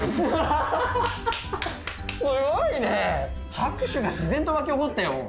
拍手が自然と湧き起こったよ。